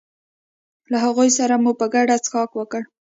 له هغو سره مو په ګډه څښاک وکړ.